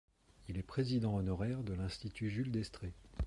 Il est président honoraire de l'Institut Jules Destrée.